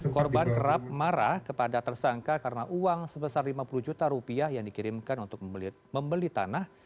korban kerap marah kepada tersangka karena uang sebesar lima puluh juta rupiah yang dikirimkan untuk membeli tanah